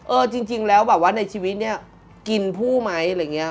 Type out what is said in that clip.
เออจริงแล้วแบบว่าในชีวิตเนี่ยกินผู้ไหมอะไรอย่างนี้